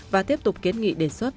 và tiếp tục kiến nghị đề xuất